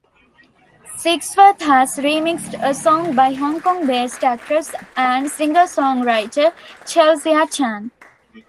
Sigsworth has remixed a song by Hong Kong-based actress and singer-songwriter Chelsia Chan.